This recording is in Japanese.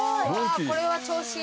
これは調子いい。